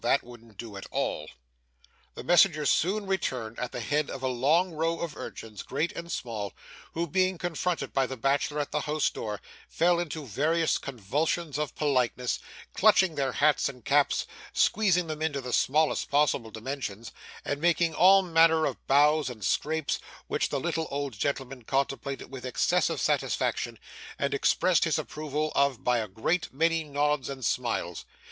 That wouldn't do, at all.' The messenger soon returned at the head of a long row of urchins, great and small, who, being confronted by the bachelor at the house door, fell into various convulsions of politeness; clutching their hats and caps, squeezing them into the smallest possible dimensions, and making all manner of bows and scrapes, which the little old gentleman contemplated with excessive satisfaction, and expressed his approval of by a great many nods and smiles.